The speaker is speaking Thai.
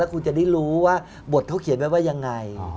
คุยกับผมฮะ